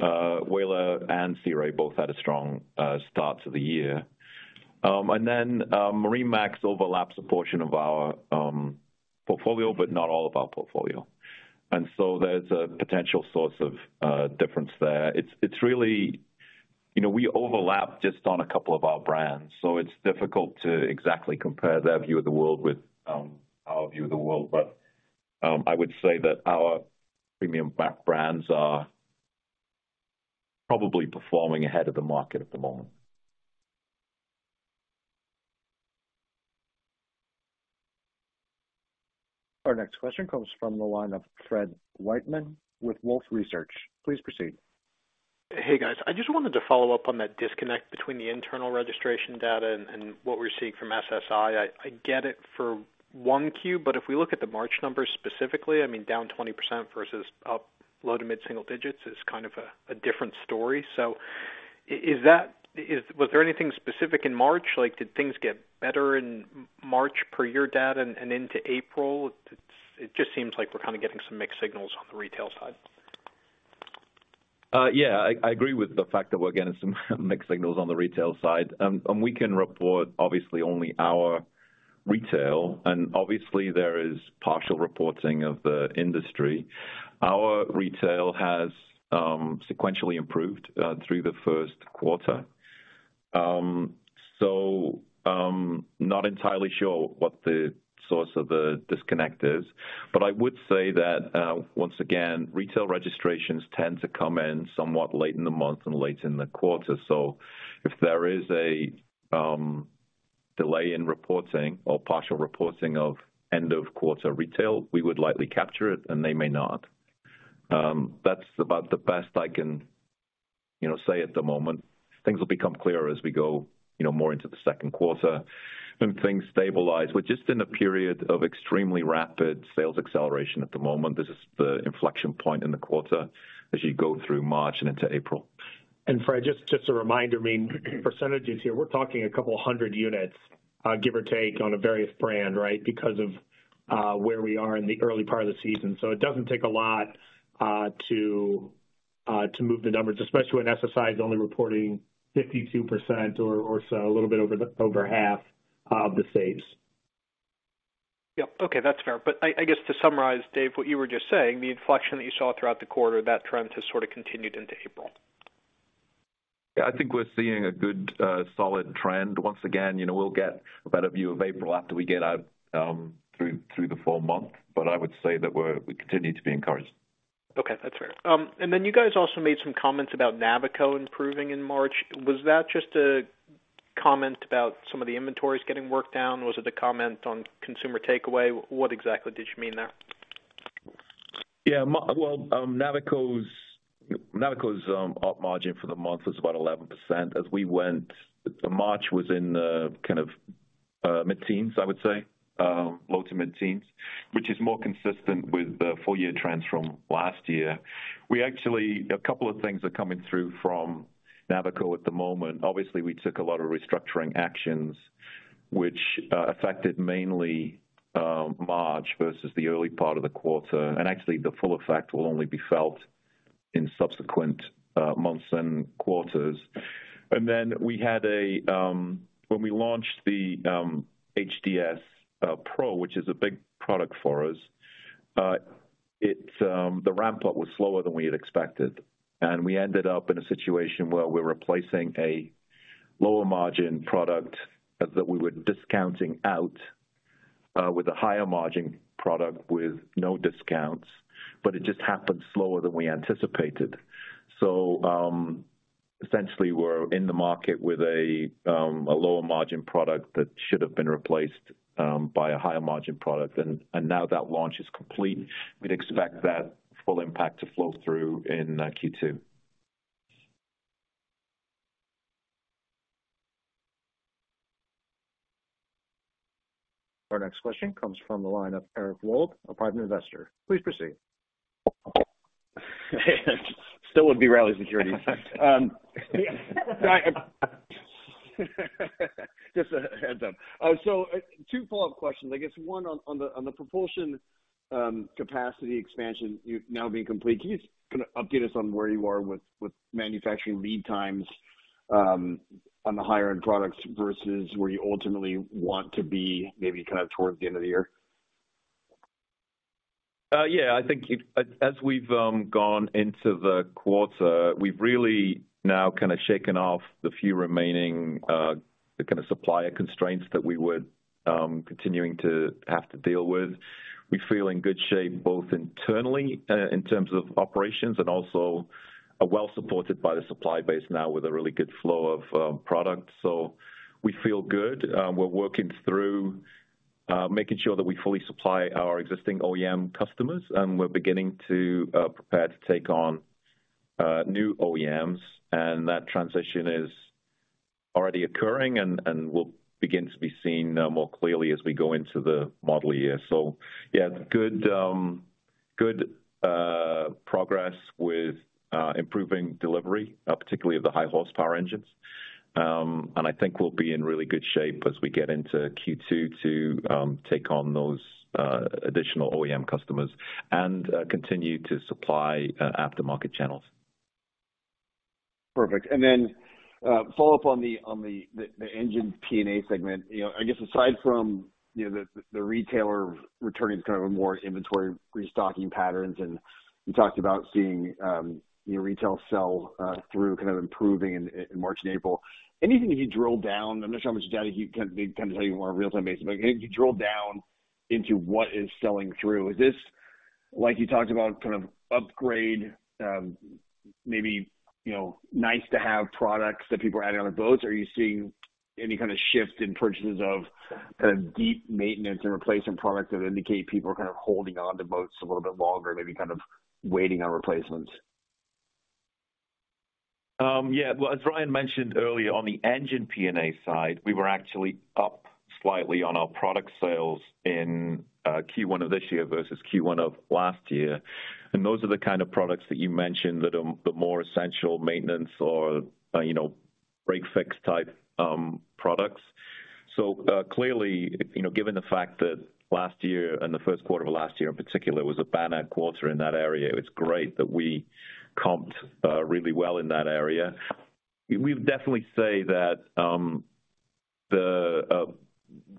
Speaker 3: Heyday and Sea Ray both had a strong start to the year. MarineMax overlaps a portion of our portfolio, but not all of our portfolio. There's a potential source of difference there. It's really, you know, we overlap just on a couple of our brands, so it's difficult to exactly compare their view of the world with our view of the world. I would say that our premium back brands are probably performing ahead of the market at the moment.
Speaker 1: Our next question comes from the line of Fred Wightman with Wolfe Research. Please proceed.
Speaker 9: Hey, guys. I just wanted to follow up on that disconnect between the internal registration data and what we're seeing from SSI. I get it for 1Q, if we look at the March numbers specifically, I mean, down 20% versus up low to mid-single digits is kind of a different story. Was there anything specific in March? Like, did things get better in March per your data and into April? It just seems like we're kind of getting some mixed signals on the retail side.
Speaker 3: Yeah, I agree with the fact that we're getting some mixed signals on the retail side. We can report obviously only our retail, and obviously, there is partial reporting of the industry. Our retail has sequentially improved through the first quarter. Not entirely sure what the source of the disconnect is. I would say that once again, retail registrations tend to come in somewhat late in the month and late in the quarter. If there is a delay in reporting or partial reporting of end of quarter retail, we would likely capture it, and they may not. That's about the best I can, you know, say at the moment. Things will become clearer as we go, you know, more into the second quarter, and things stabilize. We're just in a period of extremely rapid sales acceleration at the moment. This is the inflection point in the quarter as you go through March and into April.
Speaker 4: Fred, just a reminder, I mean, percentages here, we're talking a couple hundred units, give or take on a various brand, right? Because of, where we are in the early part of the season. It doesn't take a lot to move the numbers, especially when SSI is only reporting 52% or so, a little bit over half of the sales.
Speaker 9: Yep. Okay, that's fair. I guess to summarize, Dave, what you were just saying, the inflection that you saw throughout the quarter, that trend has sort of continued into April.
Speaker 3: Yeah. I think we're seeing a good, solid trend. Once again, you know, we'll get a better view of April after we get out through the full month. I would say that we continue to be encouraged.
Speaker 9: Okay. That's fair. Then you guys also made some comments about Navico improving in March. Was that just a comment about some of the inventories getting worked down? Was it a comment on consumer takeaway? What exactly did you mean there?
Speaker 3: Yeah. Well, Navico's op margin for the month was about 11%. As we went, March was in the kind of mid-teens, I would say, low to mid-teens, which is more consistent with the full-year trends from last year. A couple of things are coming through from Navico at the moment. Obviously, we took a lot of restructuring actions which affected mainly March versus the early part of the quarter. Actually, the full effect will only be felt in subsequent months and quarters. Then we had a. When we launched the HDS PRO, which is a big product for us, it the ramp-up was slower than we had expected, and we ended up in a situation where we're replacing a lower margin product that we were discounting out with a higher margin product with no discounts, but it just happened slower than we anticipated. Essentially, we're in the market with a lower margin product that should have been replaced by a higher margin product. Now that launch is complete, we'd expect that full impact to flow through in Q2.
Speaker 1: Our next question comes from the line of Eric Wold, a private investor. Please proceed.
Speaker 10: Still with B. Riley Securities. Just a heads up. Two follow-up questions, I guess one on the, on the propulsion, capacity expansion you've now been complete. Can you kind of update us on where you are with manufacturing lead times, on the higher end products versus where you ultimately want to be maybe kind of towards the end of the year?
Speaker 3: Yeah. I think as we've gone into the quarter, we've really now kinda shaken off the few remaining the kinda supplier constraints that we would continuing to have to deal with. We feel in good shape, both internally, in terms of operations and also are well supported by the supply base now with a really good flow of product. We feel good. We're working through making sure that we fully supply our existing OEM customers, and we're beginning to prepare to take on new OEMs. That transition is already occurring and will begin to be seen more clearly as we go into the model year. Yeah, good progress with improving delivery, particularly of the high horsepower engines. I think we'll be in really good shape as we get into Q2 to take on those additional OEM customers and continue to supply aftermarket channels.
Speaker 10: Perfect. Then, follow up on the Engine P&A segment. You know, I guess aside from, you know, the retailer returning to kind of a more inventory restocking patterns, and you talked about seeing, you know, retail sell through kind of improving in March and April. Anything you can drill down? I'm not sure how much data you can tell me more real-time basis, but can you drill down into what is selling through? Is this like you talked about kind of upgrade, maybe, you know, nice to have products that people are adding on their boats? Are you seeing any kind of shift in purchases of kind of deep maintenance and replacement products that indicate people are kind of holding on to boats a little bit longer, maybe kind of waiting on replacements?
Speaker 3: As Ryan mentioned earlier, on the Engine P&A side, we were actually up slightly on our product sales in Q1 of this year versus Q1 of last year. Those are the kind of products that you mentioned that are the more essential maintenance or, you know, break-fix type products. Clearly, you know, given the fact that last year and the first quarter of last year in particular was a banner quarter in that area, it's great that we comped really well in that area. We've definitely say that the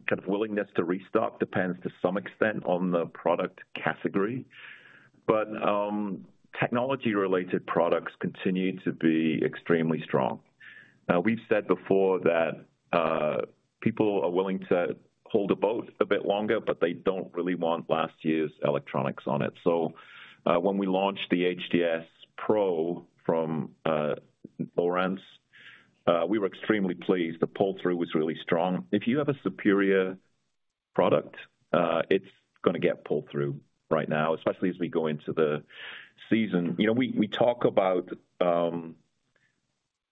Speaker 3: kind of willingness to restock depends to some extent on the product category. Technology-related products continue to be extremely strong. We've said before that people are willing to hold a boat a bit longer, but they don't really want last year's electronics on it. When we launched the HDS PRO from Lowrance, we were extremely pleased. The pull-through was really strong. If you have a superior product, it's gonna get pull-through right now, especially as we go into the season. You know, we talk about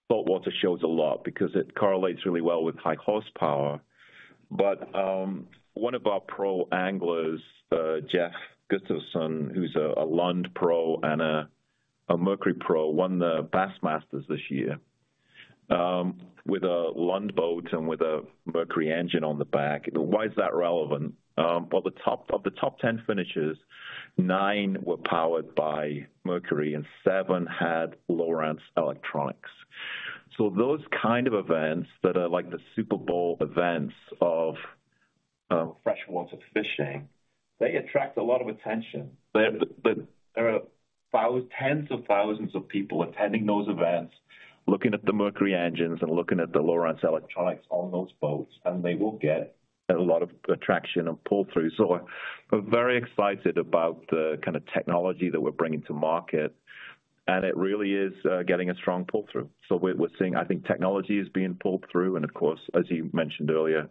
Speaker 3: saltwater shows a lot because it correlates really well with high horsepower. One of our pro anglers, Jeff Gustafson, who's a Lund pro and a Mercury pro, won the Bassmasters this year with a Lund boat and with a Mercury engine on the back. Why is that relevant? Well, of the top 10 finishers, nine were powered by Mercury and seven had Lowrance electronics. Those kind of events that are like the Super Bowl events of freshwater fishing, they attract a lot of attention. There are tens of thousands of people attending those events, looking at the Mercury engines and looking at the Lowrance electronics on those boats, and they will get a lot of attraction and pull-through. We're very excited about the kind of technology that we're bringing to market, and it really is getting a strong pull-through. We're seeing, I think technology is being pulled through and of course, as you mentioned earlier,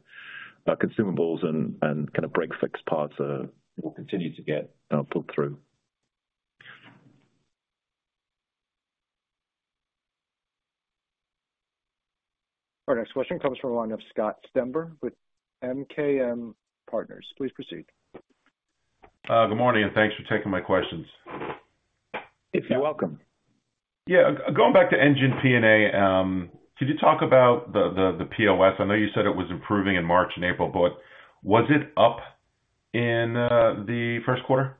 Speaker 3: consumables and kind of break fix parts will continue to get pulled through.
Speaker 1: Our next question comes from the line of Scott Stember with MKM Partners. Please proceed.
Speaker 11: Good morning, and thanks for taking my questions.
Speaker 3: You're welcome.
Speaker 11: Yeah. Going back to Engine P&A, could you talk about the POS? I know you said it was improving in March and April, but was it up in the first quarter?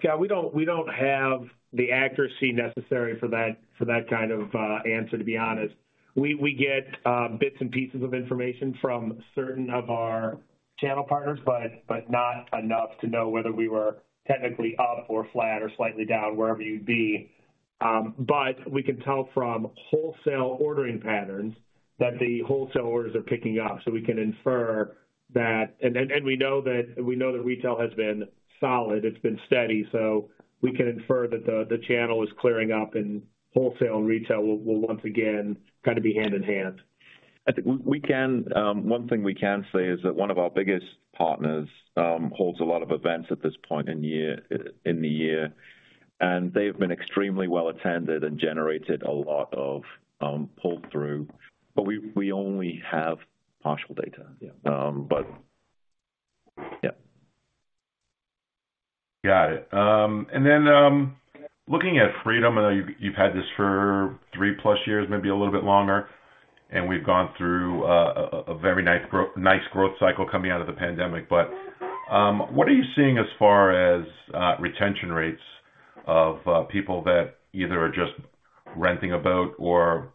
Speaker 4: Scott, we don't have the accuracy necessary for that, for that kind of answer, to be honest. We get bits and pieces of information from certain of our channel partners, but not enough to know whether we were technically up or flat or slightly down, wherever you'd be. We can tell from wholesale ordering patterns that the wholesalers are picking up, so we can infer that. We know that retail has been solid, it's been steady, so we can infer that the channel is clearing up and wholesale and retail will once again kind of be hand in hand.
Speaker 3: I think we can, one thing we can say is that one of our biggest partners, holds a lot of events at this point in year, in the year, and they've been extremely well attended and generated a lot of, pull-through. We only have partial data.
Speaker 11: Yeah.
Speaker 3: Yeah.
Speaker 11: Got it. Looking at Freedom, I know you've had this for 3+ years, maybe a little bit longer, we've gone through a very nice growth cycle coming out of the pandemic. What are you seeing as far as retention rates of people that either are just renting a boat or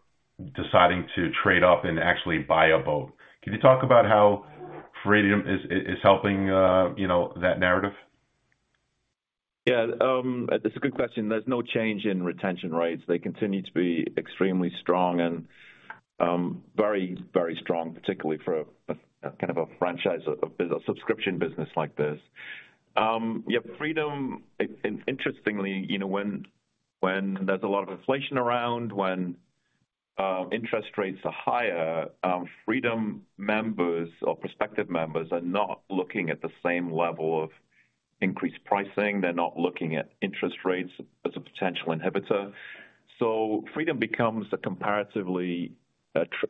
Speaker 11: deciding to trade up and actually buy a boat? Can you talk about how Freedom is helping, you know, that narrative?
Speaker 3: That's a good question. There's no change in retention rates. They continue to be extremely strong and very, very strong, particularly for a kind of a franchise, a subscription business like this. Freedom, interestingly, you know, when there's a lot of inflation around, when interest rates are higher, Freedom members or prospective members are not looking at the same level of increased pricing. They're not looking at interest rates as a potential inhibitor. Freedom becomes a comparatively,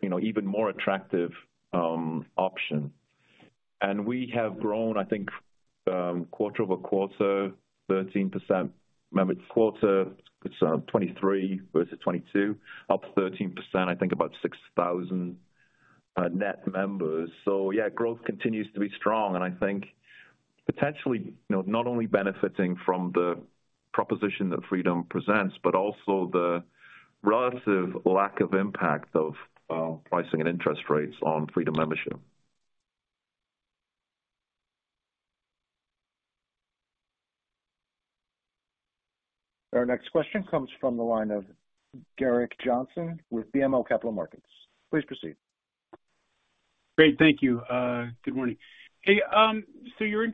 Speaker 3: you know, even more attractive option. We have grown, I think, quarter-over-quarter, 13% member quarter. It's 2023 versus 2022, up 13%, I think about 6,000 net members. Growth continues to be strong. I think potentially, you know, not only benefiting from the proposition that Freedom presents, but also the relative lack of impact of pricing and interest rates on Freedom membership.
Speaker 1: Our next question comes from the line of Gerrick Johnson with BMO Capital Markets. Please proceed.
Speaker 12: Great. Thank you. Good morning. Hey, Ryan, you're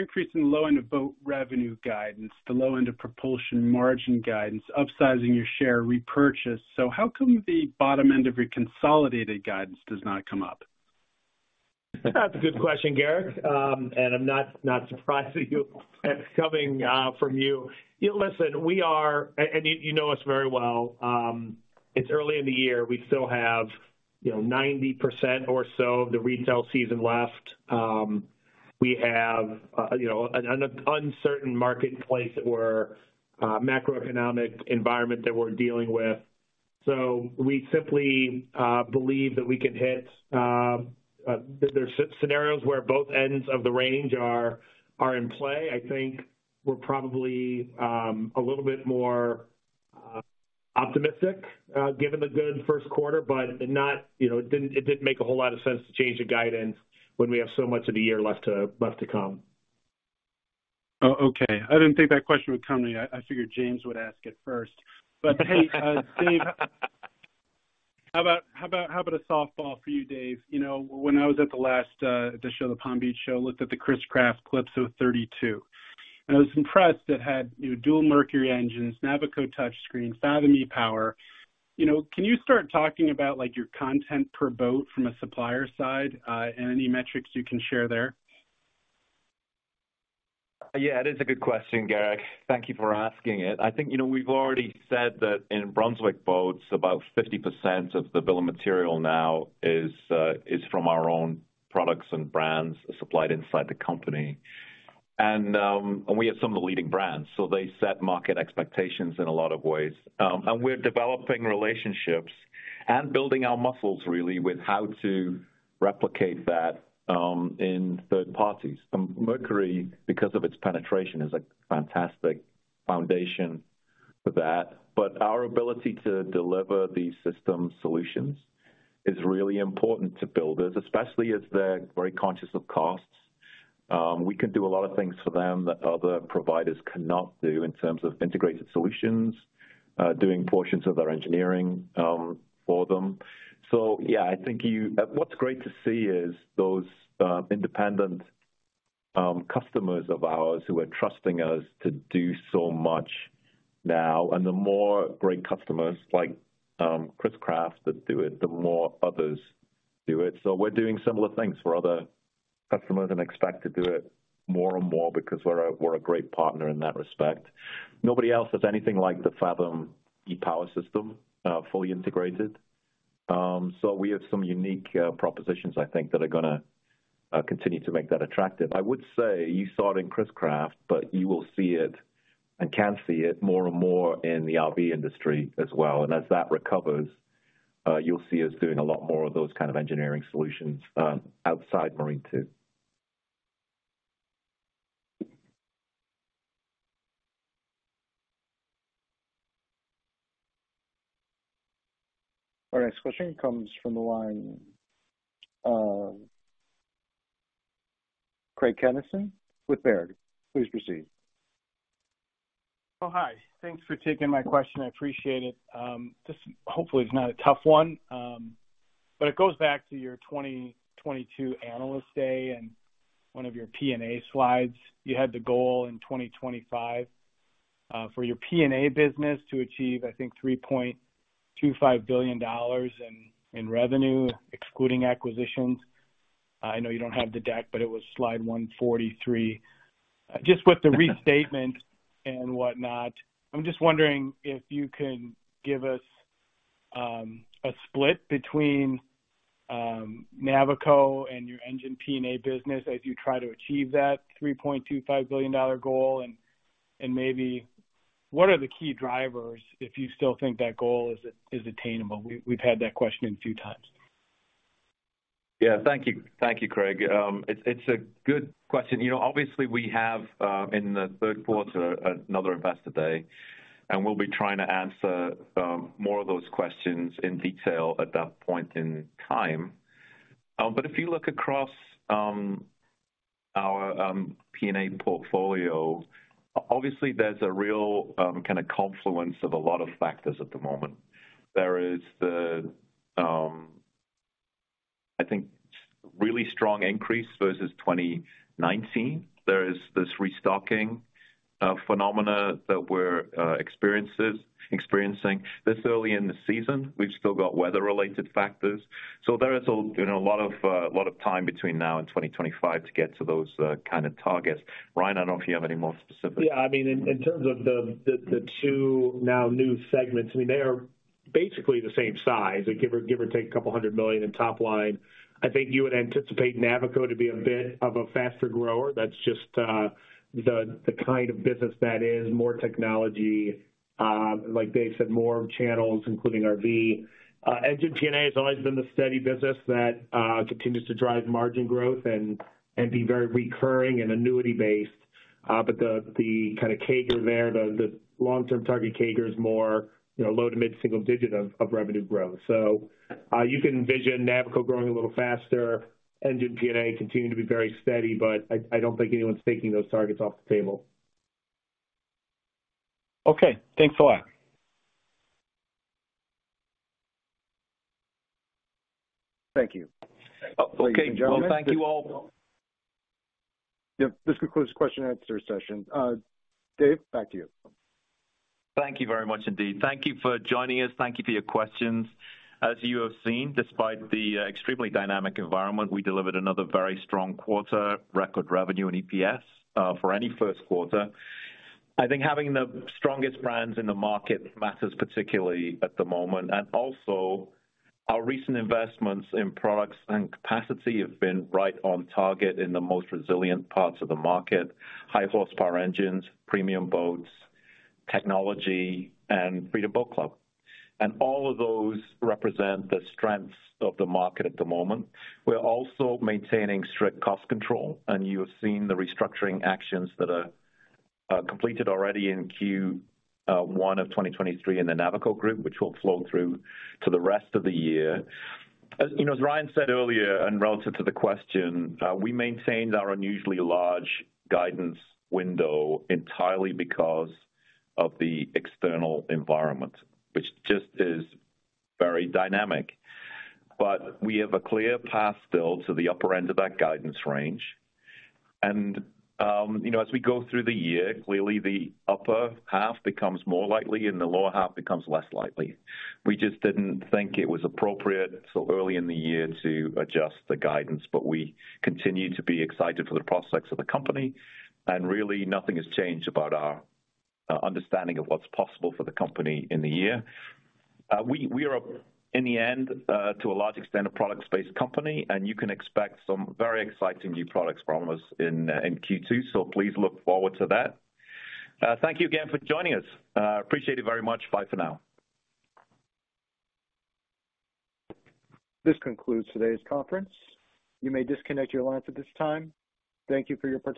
Speaker 12: increasing low end of boat revenue guidance, the low end of propulsion margin guidance, upsizing your share repurchase. How come the bottom end of your consolidated guidance does not come up?
Speaker 4: That's a good question, Gerrick. I'm not surprised at you, at it coming from you. Yeah, listen, we are... you know us very well. It's early in the year. We still have, you know, 90% or so of the retail season left. We have, you know, an uncertain marketplace that we're macroeconomic environment that we're dealing with. We simply believe that we can hit, there's scenarios where both ends of the range are in play. I think we're probably a little bit more optimistic given the good first quarter, but not, you know, it didn't make a whole lot of sense to change the guidance when we have so much of the year left to come.
Speaker 12: Oh, okay. I didn't think that question would come to me. I figured James would ask it first. Hey, Dave, how about a softball for you, Dave? You know, when I was at the last, the show, the Palm Beach show, looked at the Chris-Craft Calypso 32, and I was impressed it had, you know, dual Mercury engines, Navico touchscreen, Fathom e-Power. You know, can you start talking about, like, your content per boat from a supplier side, and any metrics you can share there?
Speaker 3: Yeah, it is a good question, Gerrick. Thank you for asking it. I think, you know, we've already said that in Brunswick Boats, about 50% of the bill of material now is from our own products and brands supplied inside the company. We have some of the leading brands, so they set market expectations in a lot of ways. We're developing relationships and building our muscles really with how to replicate that in third parties. Mercury, because of its penetration, is a fantastic foundation for that. Our ability to deliver these system solutions is really important to builders, especially as they're very conscious of costs. We can do a lot of things for them that other providers cannot do in terms of integrated solutions, doing portions of their engineering for them. Yeah, I think you... What's great to see is those independent customers of ours who are trusting us to do so much now. The more great customers like Chris-Craft that do it, the more others do it. We're doing similar things for other customers and expect to do it more and more because we're a great partner in that respect. Nobody else has anything like the Fathom e-Power System, fully integrated. We have some unique propositions I think that are gonna continue to make that attractive. I would say you saw it in Chris-Craft, you will see it and can see it more and more in the RV industry as well. As that recovers, you'll see us doing a lot more of those kind of engineering solutions outside Marine too.
Speaker 1: Our next question comes from the line, Craig Kennison with Baird. Please proceed.
Speaker 13: Hi. Thanks for taking my question. I appreciate it. This hopefully is not a tough one. It goes back to your 2022 Analyst Day and one of your P&A slides. You had the goal in 2025 for your P&A business to achieve, I think, $3.25 billion in revenue, excluding acquisitions. I know you don't have the deck, but it was slide 143. Just with the restatement and whatnot, I'm just wondering if you can give us a split between Navico and your Engine P&A business as you try to achieve that $3.25 billion goal. Maybe what are the key drivers if you still think that goal is attainable? We've had that question a few times.
Speaker 3: Thank you. Thank you, Craig. It's a good question. You know, obviously we have in the third quarter another Investor Day, we'll be trying to answer more of those questions in detail at that point in time. If you look across our P&A portfolio, obviously there's a real kind of confluence of a lot of factors at the moment. There is the, I think really strong increase versus 2019. There is this restocking phenomena that we're experiencing. This early in the season, we've still got weather-related factors. There is a, you know, a lot of time between now and 2025 to get to those kind of targets. Ryan, I don't know if you have any more specifics.
Speaker 4: Yeah. I mean, in terms of the two now new segments, I mean, they are basically the same size, like give or take $200 million in top line. I think you would anticipate Navico to be a bit of a faster grower. That's just the kind of business that is, more technology. Like Dave said, more channels, including RV. Engine P&A has always been the steady business that continues to drive margin growth and be very recurring and annuity-based. The kind of CAGR there, the long-term target CAGR is more, you know, low to mid-single digit of revenue growth. You can envision Navico growing a little faster, Engine P&A continuing to be very steady, but I don't think anyone's taking those targets off the table.
Speaker 13: Okay. Thanks a lot.
Speaker 1: Thank you.
Speaker 3: Ladies and gentlemen.
Speaker 1: Okay. Well, thank you all. Yep, this concludes the question and answer session. Dave, back to you.
Speaker 3: Thank you very much indeed. Thank you for joining us. Thank you for your questions. As you have seen, despite the extremely dynamic environment, we delivered another very strong quarter, record revenue in EPS for any first quarter. I think having the strongest brands in the market matters particularly at the moment. Our recent investments in products and capacity have been right on target in the most resilient parts of the market, high horsepower engines, premium boats, technology, and Freedom Boat Club. All of those represent the strengths of the market at the moment. We're also maintaining strict cost control. You have seen the restructuring actions that are completed already in Q1 of 2023 in the Navico Group, which will flow through to the rest of the year. As, you know, as Ryan said earlier and relative to the question, we maintained our unusually large guidance window entirely because of the external environment, which just is very dynamic. We have a clear path still to the upper end of that guidance range. You know, as we go through the year, clearly the upper half becomes more likely and the lower half becomes less likely. We just didn't think it was appropriate so early in the year to adjust the guidance. We continue to be excited for the prospects of the company, and really nothing has changed about our understanding of what's possible for the company in the year. We, we are, in the end, to a large extent, a products-based company, and you can expect some very exciting new products from us in Q2. Please look forward to that. Thank you again for joining us. Appreciate it very much. Bye for now.
Speaker 1: This concludes today's conference. You may disconnect your lines at this time. Thank you for your participation.